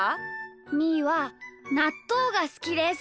みーはなっとうがすきです。